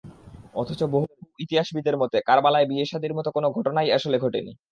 অথচ বহু ইতিহাসবিদের মতে, কারবালায় বিয়ে-শাদির মতো কোনো ঘটনাই আসলে ঘটেনি।